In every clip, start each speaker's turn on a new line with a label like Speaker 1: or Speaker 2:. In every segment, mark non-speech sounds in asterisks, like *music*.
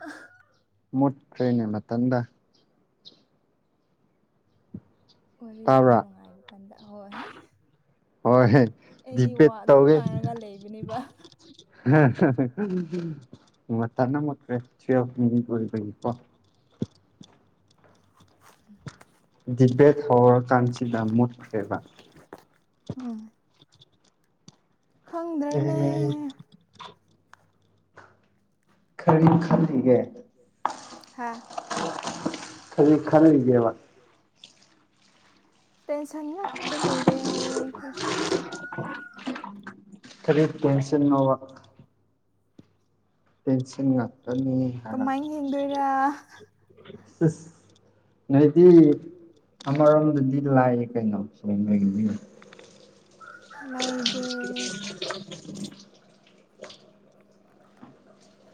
Speaker 1: ꯑ
Speaker 2: ꯃꯨꯠꯇꯈ꯭ꯔꯦꯅꯦ ꯃꯇꯝꯟꯗ
Speaker 1: ꯋꯥꯔꯤ ꯌꯥꯝ ꯅꯨꯡꯉꯥꯏꯕ ꯀꯥꯟꯗ ꯑ ꯍꯣꯏ ꯑꯩꯗꯤ ꯋꯥ ꯑꯗꯨꯝ ꯉꯥꯏꯔꯒ ꯂꯩꯕꯅꯦꯕ
Speaker 2: ꯃꯊꯅ ꯃꯛꯇ꯭ꯔꯦꯣ
Speaker 1: ꯎꯝ
Speaker 2: ꯗꯤꯕꯦꯠ ꯍꯧꯔꯀꯥꯟꯁꯤꯗ ꯃꯨꯠꯈ꯭ꯔꯦꯕ
Speaker 1: ꯍꯣꯏ ꯈꯪꯗ꯭ꯔꯦꯅꯦ
Speaker 2: ꯈꯔꯤ ꯈꯜꯂꯤꯒꯦ ꯈꯔꯤ ꯈꯜꯂꯤꯜꯂꯤꯒꯦꯕ
Speaker 1: ꯇꯦꯟꯁꯟ ꯉꯥꯛꯇ ꯂꯩꯔꯦ
Speaker 2: ꯈꯔꯤ ꯇꯦꯟꯁꯟꯣꯕ ꯇꯦꯟꯁꯤꯟ ꯉꯥꯛꯇꯅꯤ
Speaker 1: ꯀꯃꯥꯏꯅ ꯍꯦꯡꯗꯣꯏꯔꯥ
Speaker 2: ꯑꯁ ꯅꯣꯏꯗꯤ ꯑꯃꯔꯣꯝꯗꯗꯤ ꯂꯥꯛꯌꯦ ꯀꯩꯅꯣ ꯁꯣꯡꯅꯉꯥꯏꯒꯕꯤ
Speaker 1: ꯑ
Speaker 2: *unintelligible*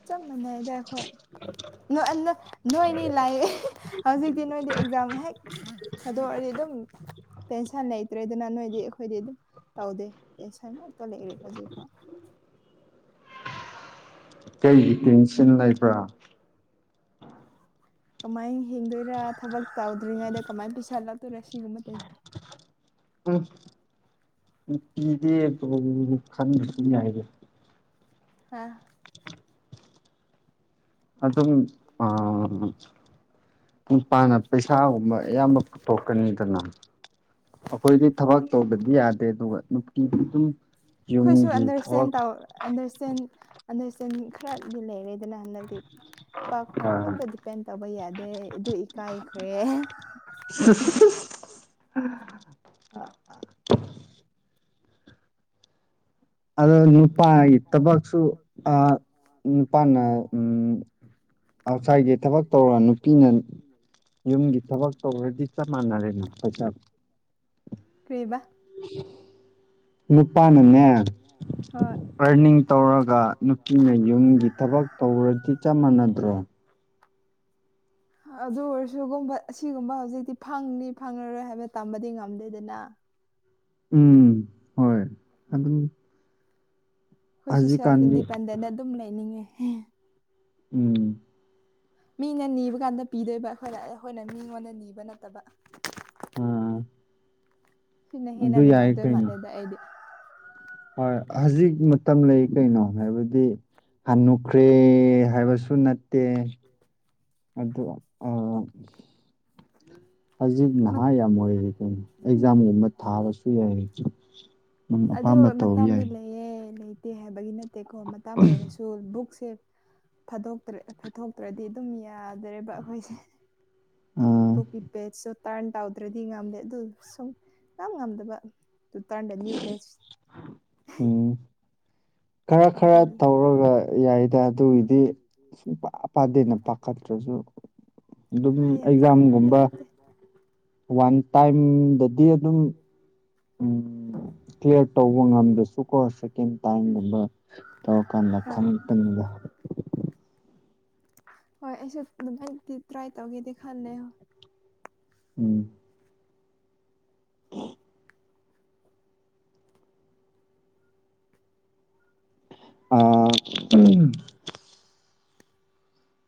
Speaker 1: ꯆꯞ ꯃꯥꯟꯅꯩꯗ ꯑꯩꯈꯣꯏ ꯅꯣꯏꯅꯤ ꯂꯥꯛꯑꯦ ꯍꯧꯖꯤꯛꯇꯤ ꯅꯣꯏꯗꯤ ꯑꯦꯛꯖꯥꯝ ꯍꯦꯛ ꯑꯗꯨ ꯑꯣꯏꯔꯗꯤ ꯑꯗꯨꯝ ꯇꯦꯟꯁꯟ ꯂꯩꯇ꯭ꯔꯦ ꯑꯗꯨꯅ ꯅꯣꯏꯗꯤ ꯑꯩꯈꯣꯏꯗꯤ ꯑꯗꯨꯝ ꯇꯧꯗꯦ ꯁ ꯉꯇ ꯂꯩꯔꯦ ꯍꯧꯖꯤꯛꯐꯥꯎ
Speaker 2: ꯀꯔꯤ ꯇꯦꯟꯁꯟ ꯂꯩꯕ꯭ꯔꯥ
Speaker 1: ꯀꯃꯥꯏꯅ ꯍꯤꯡꯗꯣꯏꯔꯥ ꯊꯕꯛ ꯇꯧꯗ꯭ꯔꯤꯉꯩꯗ ꯀꯃꯥꯏꯅ ꯄꯩꯁꯥ ꯂꯥꯛꯇꯣꯏꯔꯥ ꯁꯤꯒꯨꯝꯕ ꯇꯧꯁꯅ
Speaker 2: ꯎꯝ ꯎ ꯄꯤꯗꯤ ꯈꯪꯅꯤ ꯍꯥꯏꯒꯦ
Speaker 1: ꯍꯥꯝ
Speaker 2: ꯑꯗꯨ ꯑꯗꯨꯝ ꯑ ꯅꯨꯨꯡꯄꯥꯅ ꯄꯩꯁꯥꯒꯨꯝꯕ ꯑꯌꯥꯝꯕ ꯄꯨꯊꯣꯛꯀꯅꯤꯗꯅ ꯑꯩꯈꯣꯏꯗꯤ ꯊꯕꯛ ꯇꯧꯕꯗꯤ ꯌꯥꯗꯦ ꯑꯗꯨꯒ ꯅꯨꯡꯇꯤꯗꯤ ꯑꯗꯨꯝ ꯌꯨꯝꯒꯤ ꯊꯕꯛ
Speaker 1: ꯑꯟꯗꯔꯁꯇꯦꯟ ꯑꯟꯗꯔꯁꯇꯦꯟ ꯗꯤ ꯂꯩꯔꯦꯗꯅ ꯍꯟꯗꯛꯇꯤ ꯄꯣꯏ ꯈꯛꯇ ꯗꯤꯄꯦꯟ ꯇꯧꯕ ꯌꯥꯗꯦ ꯑꯗꯨ ꯀꯥꯏꯈ꯭ꯔꯦ
Speaker 2: *unintelligible* ꯑ ꯑꯗꯣ ꯅꯨꯄꯥꯒꯤ ꯊꯕꯛꯁꯨ ꯑ ꯅꯨꯄꯥꯅ ꯎꯝ ꯑꯥꯎꯁꯥꯏꯒꯤ ꯊꯕꯛ ꯇꯧꯔ ꯅꯨꯄꯤꯅ ꯌꯨꯝꯒꯤ ꯊꯕꯛ ꯇꯧꯈ꯭ꯔꯗꯤ ꯆꯞ ꯃꯥꯟꯅꯔꯦꯅ ꯄꯣꯏꯥ
Speaker 1: ꯀ꯭ꯔꯤꯕꯥ
Speaker 2: ꯅꯨꯄꯥꯅꯅꯦ ꯔꯔꯅꯤꯡ ꯇꯧꯔꯒ ꯅꯨꯄꯤꯅ ꯌꯨꯝꯒꯤ ꯊꯕꯛ ꯇꯧꯔꯗꯤ ꯆꯞ ꯃꯥꯟꯅꯗ꯭ꯔꯣ
Speaker 1: *unintelligible* ꯑꯗꯨ ꯑꯣꯏꯔꯁꯨꯒꯨꯝꯕ ꯑꯁꯤꯒꯨꯝꯕ ꯍꯧꯖꯤꯛꯇꯤ ꯐꯪꯅꯤ ꯐꯪꯂꯉꯔꯣꯏ ꯍꯥꯏꯕ ꯇꯝꯕꯗꯤ ꯉꯝꯗꯦꯗꯅ
Speaker 2: ꯎꯝ ꯍꯣꯏ ꯑꯗꯨꯝ
Speaker 1: ꯑꯩꯈꯣꯏꯁꯨ ꯁꯦꯜꯐ ꯏꯟꯗꯤꯄꯦꯟꯗꯦ ꯑꯗꯨꯝ ꯂꯩꯅꯤꯡꯉꯦ
Speaker 2: ꯎꯝ
Speaker 1: ꯃꯤꯅ ꯅꯤꯕ ꯀꯥꯟꯗ ꯄꯤꯗꯣꯏꯕ ꯑꯩꯈꯣꯏꯗ ꯑꯩꯈꯣꯏꯅ ꯃꯤꯉꯣꯟꯗ ꯅꯤꯕ ꯅꯠꯇꯕ
Speaker 2: ꯎꯝ
Speaker 1: ꯁꯤꯅ ꯍꯦꯟꯅ ꯅꯨꯡꯉꯥꯏꯗꯣꯏ ꯃꯥꯜꯂꯦꯗ ꯑꯩꯗꯤ
Speaker 2: ꯍꯣꯏ ꯍꯧꯖꯤꯛ ꯂꯩ ꯀꯩꯅꯣ ꯍꯥꯏꯕꯗꯤ ꯍꯅꯨꯈ꯭ꯔꯦ ꯍꯥꯏꯕꯁꯨ ꯅꯠꯇꯦ ꯑ ꯍꯧꯖꯤꯛ ꯅꯍꯥ ꯌꯥꯝ ꯑꯣꯏꯔꯤꯔꯤ ꯎꯝ ꯑꯦꯛꯖꯥꯝꯒꯨꯝꯕ ꯊꯥꯕꯁꯨ ꯌꯥꯏ ꯅꯪ ꯑꯄꯥꯝꯕ ꯇꯧꯕ ꯌꯥꯏ
Speaker 1: ꯂꯩꯑ ꯂꯩꯇꯦ ꯍꯥꯏꯕꯒꯤ ꯅꯠꯇꯦꯀꯣ ꯃꯇꯥꯡ ꯂꯩꯔꯁꯨ ꯕꯨꯛꯁꯦ ꯐꯥꯗꯣꯛꯇ꯭ꯔꯦ ꯊꯣꯛꯇ꯭ꯔꯗꯤ ꯑꯗꯨꯝ ꯌꯥꯗ꯭ꯔꯦꯕ ꯑꯩꯈꯣꯏꯁꯦ ꯑꯣꯛ ꯄꯦ ꯇꯥꯔꯟ ꯇꯧꯗ꯭ꯔꯗꯤ ꯉꯝꯗꯦ ꯑꯗꯨ ꯁꯨꯝ ꯌꯥꯝ ꯉꯝꯗꯕ ꯑꯗꯨ ꯇꯔꯟꯗ ꯅ꯭ꯌꯨ ꯄꯦꯁ
Speaker 2: ꯎꯝ ꯈꯔ ꯈꯔ ꯇꯧꯔꯒ ꯌꯥꯏꯗ ꯑꯗꯨꯒꯤꯗꯤ ꯁꯨꯡ ꯄ ꯄꯥꯗꯦꯅ ꯄꯥꯈꯠꯇ꯭ꯔꯁꯨ ꯑꯗꯨꯝ ꯑꯦꯛꯖꯥꯝꯒꯨꯝꯕ ꯋꯥꯟ ꯇꯥꯏꯝꯗꯗꯤ ꯑꯗꯨꯝ ꯎꯝ ꯀ꯭ꯂꯤꯌꯥꯔ ꯇꯧꯕ ꯉꯝꯗ꯭ꯔꯁꯨꯀꯣ ꯁꯦꯀꯦꯟ ꯇꯥꯏꯝꯒꯨꯝꯕ ꯇꯧꯔꯀꯥꯟꯗ ꯈꯪꯛꯇꯅꯤꯗ ꯍꯥꯏꯕ
Speaker 1: ꯍꯣꯏ ꯑꯩꯁꯨ ꯑꯗꯨꯗꯤ ꯇ꯭ꯔꯥꯏ ꯇꯧꯒꯦꯗꯤ ꯈꯜꯂ
Speaker 2: ꯎꯝ *unintelligible* ꯑ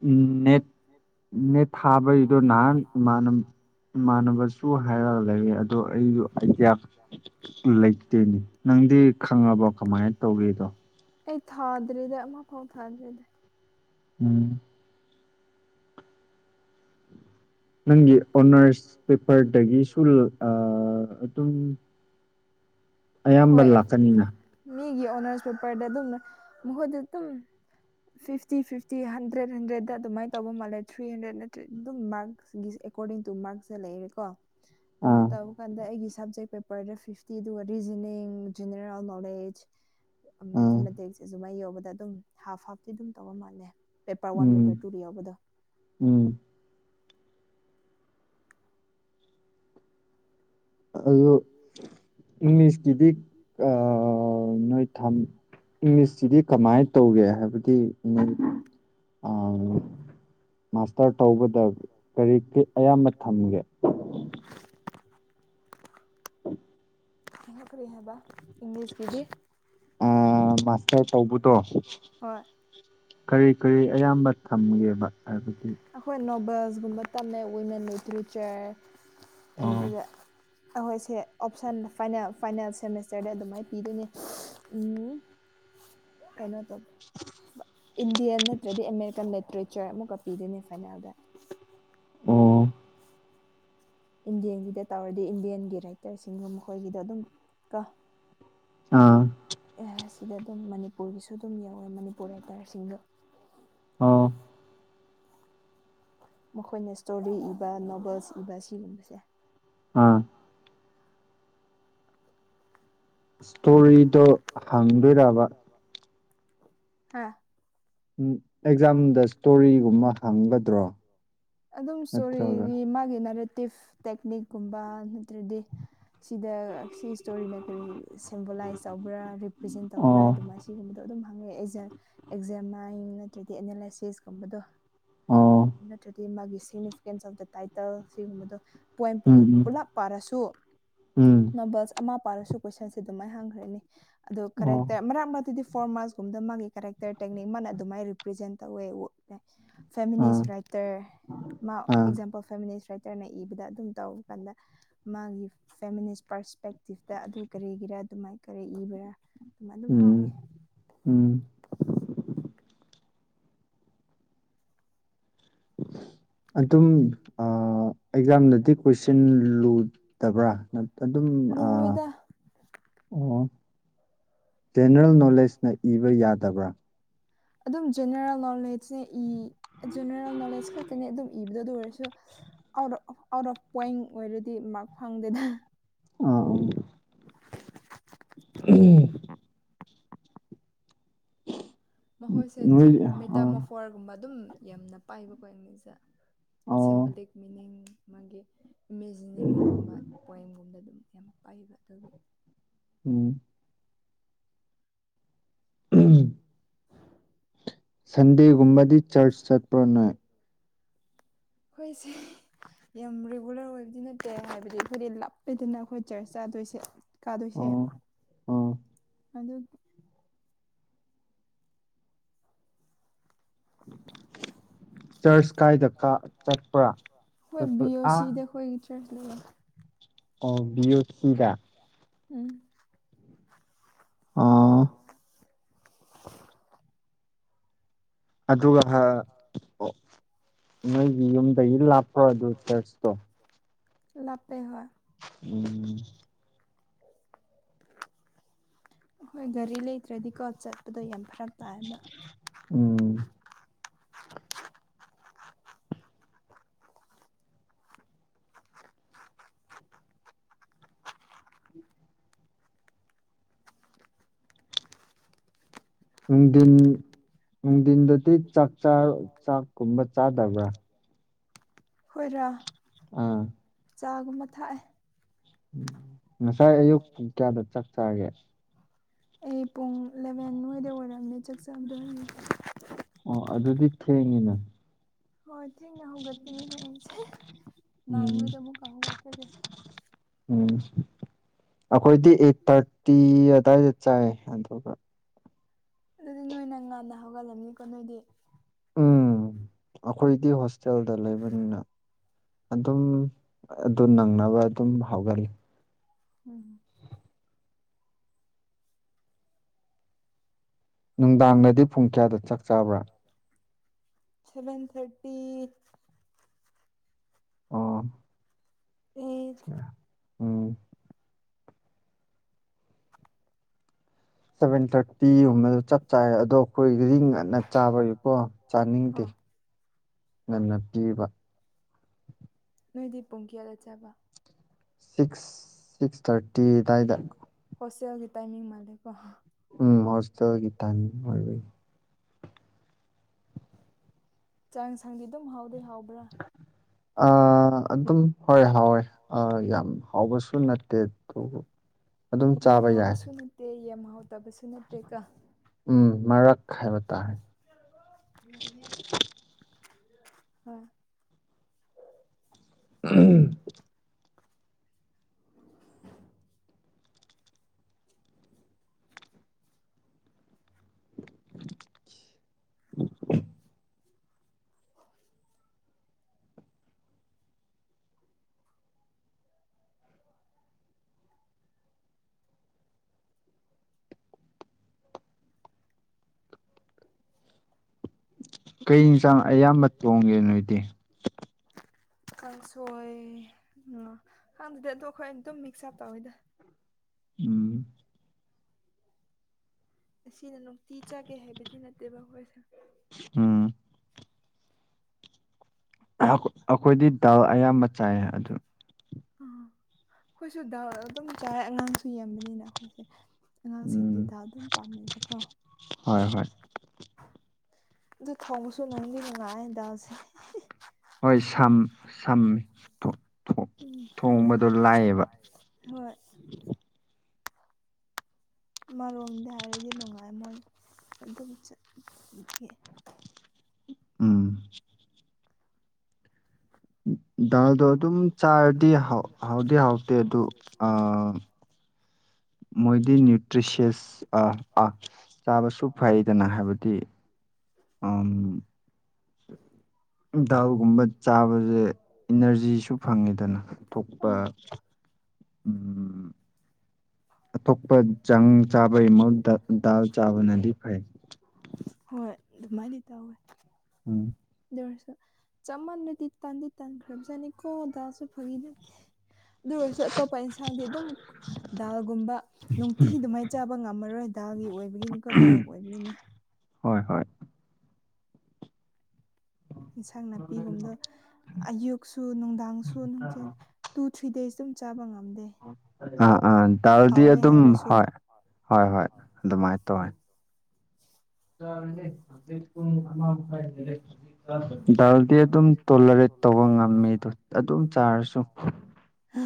Speaker 2: ꯎꯝ ꯅꯦꯠ ꯅꯦꯠ ꯊꯥꯕꯩꯗꯣ ꯅꯍꯥꯟꯃꯅ ꯏꯃꯥꯟꯅꯕꯁꯨ ꯍꯥꯏꯔꯒ ꯂꯩꯔ ꯑꯗꯣ ꯑꯩꯁꯨ ꯑꯥꯏꯗꯤꯌꯥ ꯂꯩꯇꯦꯅꯦ ꯅꯪꯗꯤ ꯈꯪꯉꯕꯣ ꯀꯃꯥꯏꯅ ꯇꯧꯒꯦꯗꯣ
Speaker 1: ꯑꯩ ꯊꯥꯗ꯭ꯔꯤꯗ ꯑꯃꯐꯥꯎ ꯊꯥꯗ꯭ꯔꯤꯗ
Speaker 2: ꯎꯝ ꯅꯪꯒꯤ ꯑꯣꯅꯔꯁ ꯄꯦꯄꯔꯗꯒꯤꯁꯨ ꯑꯗꯨꯝ
Speaker 1: ꯍꯣꯏ ꯃꯤꯒꯤ ꯑꯣꯅꯔꯁ ꯄꯦꯄꯔꯗ ꯑꯗꯨꯝ ꯃꯈꯣꯏꯗ ꯑꯗꯨꯝ ꯐꯤꯐꯇꯤ ꯐꯤꯐꯇꯤ ꯍꯟꯗ꯭ꯔꯦꯠ ꯍꯟꯗ꯭ꯔꯦꯗ ꯑꯗꯨꯃꯥꯏꯅ ꯇꯧꯕ ꯃꯥꯜꯂꯦ ꯊ꯭ꯔꯤ ꯍꯟꯗ꯭ꯔꯦꯗ ꯅꯠꯇ꯭ꯔꯦ ꯑꯗꯨꯝ ꯃꯥꯔꯛꯁ ꯑꯀꯣꯔꯗꯤꯡ ꯇꯨ ꯃꯥꯔꯛꯁꯦꯂ ꯂꯩꯔꯦ ꯀꯣ ꯑꯗꯨꯃꯥꯏꯅ ꯇꯧꯕꯔ ꯀꯥꯟꯗ ꯑꯩꯒꯤ ꯁꯕꯖꯦꯛ ꯄꯦꯄꯔꯗ ꯐꯤꯐꯇꯤ ꯑꯗꯨꯒ ꯔꯤꯖ ꯖꯦꯅꯦꯔꯦꯜ ꯅꯣꯂꯦꯖ ꯃꯦꯊꯃꯦꯇꯤꯛꯁ ꯑꯗꯨꯃꯥꯏꯅ ꯌꯧꯕꯗ ꯑꯗꯨꯝ ꯍꯥꯐ ꯍꯥꯐꯇꯤ ꯑꯗꯨꯝ ꯇꯧꯕ ꯃꯥꯜꯂꯦ ꯄꯦꯄꯔ ꯋꯥꯟ ꯄꯦꯄꯔ ꯇꯨꯗ ꯌꯥꯎꯕꯗꯣ
Speaker 2: ꯎꯝ ꯑꯗꯨ ꯏꯪꯂꯤꯁꯀꯤꯗꯤ ꯅꯣꯏ ꯊꯝ ꯏꯪꯂꯤꯁꯁꯤꯗꯤ ꯀꯃꯥꯏꯅ ꯇꯧꯒꯦ ꯍꯥꯏꯕꯗꯤ ꯃꯥꯁꯇꯔ ꯇꯧꯕꯗ ꯀꯔꯤ ꯀ ꯑꯌꯥꯝꯕ ꯊꯝꯒꯦ
Speaker 1: *inaudible*
Speaker 2: ꯑ
Speaker 1: ꯍ ꯐꯔꯤ ꯍꯥꯏꯕ
Speaker 2: ꯑꯁ ꯇꯧꯕꯗꯣ ꯀꯔꯤ ꯀꯔꯤ ꯑꯌꯥꯝꯕ ꯊꯝꯒꯦꯕ ꯍꯥꯏꯕꯗꯤ
Speaker 1: ꯑꯩꯈꯣꯏ ꯅꯣꯕꯦꯜꯁꯀꯨꯝꯕ ꯇꯝꯃꯦ ꯋꯤꯃꯦꯟ ꯂꯤꯇꯔꯦꯆꯔ ꯑꯗꯨꯗ ꯑꯩꯈꯣꯏꯁꯦ ꯑꯣꯞꯁꯟ ꯐ ꯐꯥꯏꯅꯦꯜ ꯁꯦꯃꯤꯁꯇꯔꯗ ꯑꯗꯨꯃꯥꯏꯅ ꯄꯤꯗꯣꯏꯅꯦ ꯎꯝ ꯀꯩꯅꯣ ꯏꯟꯗꯤꯌꯥꯟ ꯅꯠꯇ꯭ꯔꯗꯤ ꯑꯃꯦꯦꯀꯟ ꯅꯇ ꯆꯔ ꯑꯃꯨꯛꯀ ꯄꯤꯗꯣꯏꯅꯦ ꯐꯥꯏꯅꯥꯜꯗ
Speaker 2: ꯑꯣ
Speaker 1: ꯏꯟꯗꯤꯌꯟꯒꯤꯗ ꯇꯧꯔꯗꯤ ꯏꯟꯗꯤꯌꯟꯒꯤ ꯔꯥꯏꯇꯔꯁꯤꯡꯒ ꯃꯈꯣꯏꯒꯤꯗ ꯑꯗꯨꯝ ꯀ
Speaker 2: ꯑꯥ
Speaker 1: ꯑꯦ ꯁꯤꯗ ꯑꯗꯨꯝ ꯃꯅꯤꯄꯨꯔꯒꯤꯁꯨ ꯑꯗꯨꯝ ꯌꯧꯋꯦ ꯃꯅꯤꯄꯨꯔ ꯔꯥꯏꯇꯔꯁꯤꯡꯗꯣ
Speaker 2: ꯑꯣꯥꯎ
Speaker 1: ꯃꯈꯣꯏꯅ ꯏꯁꯇꯣꯔꯤ ꯏꯕ ꯅꯣꯕꯦꯜꯁ ꯏꯕ ꯁꯤꯒꯨꯝꯕꯁꯦ
Speaker 2: ꯑꯥ ꯏꯁꯇꯣꯔꯤꯗꯣ ꯍꯪꯗꯣꯏꯔꯕ
Speaker 1: ꯍꯥꯥ
Speaker 2: ꯎ ꯑꯦꯛꯖꯥꯝꯗ ꯏꯁꯇꯣꯔꯤꯒꯨꯝꯕ ꯍꯪꯒꯗ꯭ꯔꯣ
Speaker 1: ꯑꯗꯨꯝ ꯏꯁꯇꯣꯔꯤꯒꯤ ꯃꯥꯒꯤ ꯅꯦꯔꯦꯇꯤꯞ ꯇꯦꯛꯅꯤꯛꯀꯨꯝꯕ ꯅꯠꯇ꯭ꯔꯗꯤ ꯁꯤꯗ ꯁꯤ ꯏꯁꯇꯣꯔꯤꯅ ꯀꯔꯤ ꯁꯤꯝꯕꯣꯂꯥꯏꯁ ꯇꯧꯕ꯭ꯔꯥ ꯔꯤꯄ꯭ꯔꯖꯦꯟ ꯇꯧꯕ꯭ꯔꯥ ꯑꯗꯨꯃꯥꯏꯅ ꯁꯤꯒꯨꯝꯕꯗꯣ ꯑꯗꯨꯝ ꯍꯪꯉꯛꯑꯦ ꯑꯦꯛ ꯑꯦꯛꯖꯝ ꯃ ꯅꯠꯇ꯭ꯔꯗꯤ ꯑꯦꯅꯥꯂꯥꯏꯁꯤꯁꯀꯨꯝꯕꯗꯣ ꯅꯠꯇ꯭ꯔꯗꯤ ꯃꯥꯒꯤ ꯁꯤꯛꯅꯤꯐꯤꯀꯦꯟꯁ ꯑꯣꯐ ꯗ ꯇꯥꯏꯇꯜ ꯁꯤꯒꯨꯝꯕꯗꯣ ꯄꯣꯏꯟ ꯄꯨꯂꯞ ꯄꯥꯔꯁꯨ ꯅꯝꯕꯁ ꯑꯃꯥ ꯄꯥꯔꯁꯨ ꯀꯣꯏꯁꯟꯁꯦ ꯑꯗꯨꯃꯥꯏꯅ ꯍꯪꯈ꯭ꯔꯅꯤ ꯑꯣ ꯀꯔ ꯇꯥꯏꯦ ꯃꯔꯛ ꯃꯔꯛꯇꯗꯤ ꯐꯣꯔ ꯃꯥꯁ ꯁꯣꯝꯗ ꯃꯥꯒꯤ ꯀꯦꯔꯦꯛꯇꯔ ꯇꯦꯛꯅꯤꯛ ꯃꯥꯅ ꯑꯗꯨꯃꯥꯏꯅ ꯔꯤꯄ꯭ꯔꯖꯦꯟ ꯇꯧꯋꯦ ꯐꯦꯃꯤꯅꯤꯁ ꯔꯥꯏꯇꯔ ꯃꯥ ꯑꯦꯛꯖꯥꯝꯄꯜ ꯐꯦꯃꯤꯅꯤꯁ ꯔꯥꯏꯇꯔꯅ ꯏꯕꯗ ꯑꯗꯨꯝ ꯇꯧꯔ ꯀꯥꯟꯗ ꯃꯥꯒꯤ ꯐꯦꯃꯤꯂꯤꯁ ꯄꯔꯁꯄꯦꯛꯇꯤꯞꯇ ꯑꯗꯨ ꯀꯔꯤꯒꯤꯔꯥ ꯑꯗꯨꯃꯥꯏꯅ ꯀꯔꯤ ꯏꯕꯔꯥ
Speaker 2: ꯎꯝ ꯎꯝ ꯑꯗꯨꯝ ꯑꯦꯛꯖꯥꯝꯗꯗꯤ ꯀꯣꯏꯁꯤꯟ ꯂꯨ ꯅꯠꯇꯕ꯭ꯔꯥ ꯑꯗꯨꯝ ꯑꯣ ꯖꯦꯅꯔꯦꯜ ꯅꯣꯂꯦꯖꯅ ꯏꯕ ꯌꯥꯗꯕ꯭ꯔꯥ
Speaker 1: ꯑꯗꯨꯝ ꯖꯦꯅꯔꯦꯜ ꯅꯣꯂꯦꯖꯅ ꯏ ꯖꯦꯅꯔꯦꯜ ꯅꯣꯂꯦꯖ ꯈꯛꯇꯅꯦ ꯑꯗꯨꯝ ꯏꯕꯗ ꯑꯗꯨ ꯑꯣꯏꯔꯁꯨ ꯑꯥꯎꯠ ꯑꯥꯎꯠ ꯑꯣꯐ ꯄꯣꯏꯟ ꯑꯣꯏꯔꯗꯤ ꯃꯔ ꯐꯪꯗꯦꯗꯅ
Speaker 2: ꯑꯥ ꯎꯝ *inaudible*
Speaker 1: ꯃꯈꯣꯏꯁꯦ ꯃꯦꯇꯥꯃꯣꯐꯣꯔꯒꯨꯝꯕ ꯑꯗꯨꯝ ꯌꯥꯝꯅ ꯄꯥꯏꯕꯀꯣ ꯃꯤꯁꯦ ꯁꯤꯝꯕꯂꯤꯛ ꯃꯤꯅꯤꯡ ꯃꯥꯒꯤ ꯏꯃꯦꯖꯤꯅꯔꯤꯒꯨꯝꯕ ꯄꯣꯏꯝꯒꯨꯝꯕꯗ ꯑꯗꯨꯝ ꯌꯥꯝ ꯄꯥꯏꯕ ꯑꯗꯨꯒꯤ
Speaker 2: ꯎꯝ *unintelligible* ꯁꯟꯗꯦꯒꯨꯝꯕꯗꯤ ꯆꯔꯁ ꯆꯠꯄ꯭ꯔꯣ ꯅꯣꯏ
Speaker 1: ꯑꯩꯈꯣꯏꯁꯦ ꯌꯥꯝ ꯔꯤꯒꯨꯂꯔ ꯑꯣꯏꯕꯗꯤ ꯅꯠꯇꯦ ꯍꯥꯏꯕꯗꯤ ꯑꯩꯈꯣꯏꯗꯤ ꯂꯞꯄ‌ꯦꯗꯅ ꯑꯩꯈꯣꯏ ꯆꯔꯁ ꯆꯥꯗꯣꯏꯁꯦ ꯀꯥꯗꯣꯏꯁꯦ ꯑꯗꯨ *inaudible* ꯍꯣꯏ ꯕꯤꯑꯣ ꯁꯤ ꯗ ꯑꯈ‌ꯣꯒꯤ ꯆꯔꯁ ꯂꯩ
Speaker 2: ꯑꯣ ꯕꯤꯌ‌ꯣꯠ ꯁꯤꯗ
Speaker 1: ꯎꯝ
Speaker 2: ꯑꯥ ꯑꯗꯨꯒ *unintelligible* ꯅꯣꯏꯒꯤ ꯌꯨꯝꯗꯒꯤ ꯂꯥꯞꯄ꯭ꯔꯣ ꯑꯗꯨ ꯆꯔꯁꯇꯣ
Speaker 1: ꯂꯄꯦ ꯍ‌ꯣꯏ
Speaker 2: ꯎꯝ
Speaker 1: ꯑꯈ‌ꯣꯏ ꯒꯥꯔꯤ ꯂꯩꯇ꯭ꯔꯗꯤꯀꯣ ꯆꯠꯄꯗꯣ ꯌꯥꯝ ꯐꯔꯛ ꯇꯥꯏꯕ
Speaker 2: ꯎꯝ ꯅꯨꯡꯗꯤꯟ ꯅꯨꯡꯊꯤꯟꯗꯗꯤ ꯆꯥꯛ ꯆ ꯆꯥꯛꯀꯨꯝꯕ ꯆꯥꯗꯕ꯭ꯔꯥ
Speaker 1: ꯈ‌ꯣꯏꯔ
Speaker 2: ꯑꯥ
Speaker 1: ꯆꯥꯒꯨꯝꯕ ꯊꯥꯛꯑꯦ
Speaker 2: ꯉꯁꯥꯏ ꯑꯌꯨꯛꯨ ꯄꯨꯡ ꯀꯌꯥꯗ ꯆꯥꯛ ꯆꯥꯒꯦ
Speaker 1: ꯑꯩ ꯄꯨꯡ ꯏꯂꯚꯦꯟ ꯍꯣꯏꯗ ꯑꯣꯏꯔꯝꯃꯦ ꯆꯥꯛ ꯆꯥꯕꯗ ꯍꯜꯂꯦ
Speaker 2: ꯑꯣ ꯑꯗꯨꯗꯤ ꯊꯦꯡꯉꯤꯅ
Speaker 1: ꯍꯣꯏ ꯊꯦꯡꯅ ꯍꯧꯒꯠꯄꯅꯤꯅꯦ ꯑꯩꯁꯦ ꯅꯉꯣꯏꯗ ꯑꯃꯨꯛꯀ ꯍꯧꯒꯠꯄꯅ‌ꯦ
Speaker 2: ꯎꯝ ꯑꯩꯈꯣꯏꯗꯤ ꯑꯩꯠ ꯊꯥꯔꯇꯤ ꯑꯗꯥꯏꯗ ꯆꯥꯏ ꯑꯗꯨꯒ
Speaker 1: ꯑꯗꯨꯗꯤ ꯅꯣꯏꯅ ꯉꯥꯜꯅ ꯍꯧꯒꯠꯂꯝꯅꯤꯀꯣ ꯅꯣꯏꯗꯤ
Speaker 2: ꯎꯝ ꯑꯩꯈꯣꯏꯗꯤ ꯍꯣꯁꯇꯦꯜꯗ ꯂꯩꯕꯅꯤꯅ ꯑꯗꯨꯝ ꯑꯗꯨ ꯅꯪꯅꯕ ꯑꯗꯨꯝ ꯍꯧꯒꯜꯂꯤ
Speaker 1: ꯎꯝ
Speaker 2: ꯅꯨꯡꯗꯥꯡꯅꯗꯤ ꯄꯨꯡ ꯀꯌꯥꯗ ꯆꯥꯛ ꯆꯥꯕ꯭ꯔꯥ
Speaker 1: ꯁꯚꯦꯟ ꯊꯥꯔꯇꯤ
Speaker 2: ꯑ‌ꯣ ꯎꯝ ꯁꯚꯦꯟ ꯊꯥꯔꯇꯤꯒꯨꯝꯕꯗꯣ ꯆꯞ ꯆꯥꯏ ꯑꯗꯣ ꯑꯩꯈꯣꯏꯒꯤꯗꯤ ꯉꯟꯅ ꯆꯥꯕꯒꯤꯀꯣ ꯆꯥꯅꯤꯡꯗꯦ ꯉꯟꯅ ꯄꯤꯕ
Speaker 1: ꯅꯣꯏꯗꯤ ꯄꯨꯡ ꯀꯌꯥꯗ ꯆꯥꯕ
Speaker 2: ꯁꯤꯛꯁ ꯁꯤꯛꯁ ꯊꯥꯔꯇꯤ ꯗꯥꯏꯗ
Speaker 1: ꯍꯣꯁꯇꯦꯜꯒꯤ ꯇꯥꯏꯃꯤꯡ ꯃꯥꯂ‌ꯦꯀꯣ
Speaker 2: ꯎꯝ ꯍ‌ꯣꯁ ꯇ‌ꯦꯜꯒꯤ ꯇꯥꯏꯃꯤꯡ ꯑꯣꯏꯕꯩ
Speaker 1: ꯆꯥꯡ ꯑ‌ꯦ ꯁꯥꯡꯗꯤ ꯑꯗꯨꯝ ꯍꯥꯎꯗꯤ ꯍꯥꯎꯕ꯭ꯔꯥ
Speaker 2: ꯑ ꯑꯗꯨꯝ ꯍꯣꯏ ꯍꯥꯎꯋꯦ ꯑ ꯌꯥꯝ ꯍꯥꯎꯕꯁꯨ ꯅꯠꯇꯦ *unintelligible*
Speaker 1: ꯌꯦꯝꯍꯥꯎꯕꯁꯨ ꯅꯠꯇꯦ ꯌꯦꯝꯍꯥꯎꯇꯕꯁꯨ ꯅꯠꯇꯦ ꯀ‌ꯣ
Speaker 2: ꯎꯝ ꯃꯔꯛ ꯍꯥꯏꯕ ꯇꯥꯔꯦ
Speaker 1: ꯌꯦꯔꯤꯌꯦ ꯍ
Speaker 2: ꯎꯝ
Speaker 1: *inaudible*
Speaker 2: *unintelligible*
Speaker 1: *inaudible*
Speaker 2: ꯀꯩ ꯏꯟꯆꯥꯡ ꯑꯌꯥꯝꯕ ꯇꯣꯡꯒꯦ ꯅꯣꯏꯗꯤ
Speaker 1: ꯀꯥꯡꯁꯣꯏ ꯑ ꯈꯪꯗꯦꯗ ꯑꯗꯨ ꯑꯩꯈꯣꯏ ꯑꯗꯨꯝ ꯃꯤꯛꯁ ꯑꯞ ꯇꯧꯋꯤꯗ
Speaker 2: ꯎꯝ
Speaker 1: ꯑꯁꯤꯅ ꯅꯨꯡꯇꯤ ꯆꯥꯒꯦ ꯍꯥꯏꯕꯗꯤ ꯅꯠꯇꯦꯕ ꯑꯩꯈꯣꯏꯁꯨ
Speaker 2: ꯎꯝ ꯑꯩꯈꯣꯏꯗꯤ ꯗꯥꯜ ꯑꯌꯥꯝꯕ ꯆꯥꯏꯌꯦ ꯑꯗꯨ
Speaker 1: ꯑ ꯈꯣꯏꯁꯨ ꯗꯥꯜ ꯑꯗꯨꯝ ꯆꯥꯏ ꯑꯉꯥꯡꯁꯨ ꯌꯥꯝꯕꯅꯤꯅ ꯑꯈꯣꯏꯁꯦ ꯑꯉꯥꯡꯁꯤꯡꯗꯤ ꯗꯥꯜ ꯑꯗꯨꯝ ꯄꯥꯝꯅꯩꯕꯀꯣ
Speaker 2: ꯍꯣꯏ ꯍꯣꯏ
Speaker 1: ꯑꯗꯨ ꯊꯧꯕꯁꯨ ꯅꯨꯡꯗꯤ ꯅꯨꯡꯉꯥꯏ ꯗꯥꯜꯁꯦ
Speaker 2: ꯍꯣꯏ ꯁꯝ ꯁꯝꯃꯤ ꯇꯣ ꯊꯣꯡꯕꯗꯣ ꯂꯥꯏꯌꯦꯕ
Speaker 1: ꯑꯃꯔꯣꯝꯗ ꯍꯥꯏꯔꯗꯤ ꯅꯨꯡꯉꯥꯏ ꯃꯣꯏ ꯑꯗꯨꯝ ꯆꯠ ꯈꯤ
Speaker 2: ꯗꯥꯜꯗꯣ ꯑꯗꯨꯝ ꯆꯥꯔꯗꯤ ꯍꯥꯎ-ꯍꯥꯎꯗꯤ ꯍꯥꯎꯇꯦ ꯑꯗꯨ ꯑꯥ ꯃꯣꯏꯗꯤꯅꯤꯞ ꯇ꯭ꯔꯤꯁꯦꯁ ꯑꯥ ꯑꯥ ꯆꯥꯕꯁꯨ ꯐꯩꯗꯅ ꯍꯥꯏꯕꯗꯤ ꯑꯝ ꯗꯥꯜꯒꯨꯝꯕ ꯆꯥꯕꯖꯦ ꯏꯅꯔꯖꯤꯖꯨ ꯐꯪꯉꯦꯗꯅ ꯊꯣꯛꯄ ꯎꯝ ꯊꯣꯛꯄ ꯖꯪ ꯆꯥꯕꯩ ꯃꯍꯨꯠꯇ ꯗꯥꯜ ꯆꯥꯕꯅꯗꯤ ꯐꯩ
Speaker 1: ꯍꯣꯏ ꯑꯗꯨ ꯃꯥꯢꯅ ꯇꯧꯋꯦ
Speaker 2: ꯎꯝ
Speaker 1: ꯗꯨꯑꯣꯏꯔꯁꯨ ꯆꯞꯃꯥꯟꯅꯗꯤ ꯇꯟꯗꯤ ꯇꯟꯈ꯭ꯔꯕꯖꯠꯅꯤꯀꯣ ꯗꯥꯜꯁꯨ ꯐꯥꯒꯤ ꯅꯠꯇꯦ ꯑꯗꯨ ꯑꯣꯏꯔꯁꯨ ꯑꯇꯣꯞꯄ ꯑꯦꯟꯁꯥꯡꯗꯤ ꯑꯗꯨꯝ ꯗꯥꯜꯒꯨꯝꯕ ꯅꯨꯡꯇꯤ ꯑꯗꯨꯃꯥꯏ ꯆꯥꯕ ꯉꯝꯃꯔꯣꯏ ꯗꯥꯜꯒꯤ ꯑꯣꯏꯕꯒꯤꯅꯤꯀꯣ ꯗꯥꯜ ꯑꯣꯏꯕꯒꯤꯅꯤ
Speaker 2: ꯍꯣꯏ ꯍꯣꯏ
Speaker 1: ꯏꯟꯁꯥꯡ ꯅꯥꯄꯤꯒꯨꯝꯕꯗꯨ ꯑꯌꯨꯛꯁꯨ ꯅꯨꯡꯗꯥꯡꯁꯨ ꯅꯨꯡꯊꯤꯟ ꯇꯨ ꯊ꯭ꯔꯤ ꯗꯦꯖ ꯑꯗꯨꯝ ꯆꯥꯕ ꯉꯝꯗꯦ
Speaker 2: ꯑꯥ ꯑꯥ ꯗꯥꯜꯗꯤ ꯑꯗꯨꯝ ꯍꯣꯏ ꯍꯣꯏ ꯍꯣꯏ ꯑꯗꯨꯃꯥꯏ ꯇꯧꯋꯦ *unintelligible* ꯍꯧꯖꯤꯛ ꯄꯨꯡ ꯑꯃ ꯃꯈꯥꯏ ꯍꯦꯜꯂꯦ ꯗꯥꯜꯗꯤ ꯑꯗꯨꯝ ꯇꯣꯂꯔꯦꯠ ꯇꯧꯕ ꯉꯝꯃꯤꯗꯣ ꯑꯗꯨꯝ ꯆꯥꯔꯁꯨ